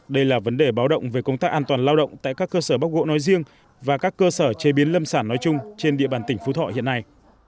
đây là vấn đề báo động về công tác an toàn lao động tại các cơ sở bóc gỗ nói riêng và các cơ sở chế biến lâm sản nói chung trên địa bàn tỉnh phú thọ hiện nay